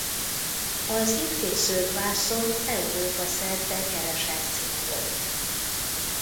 Az itt készült vászon Európa-szerte keresett cikk volt.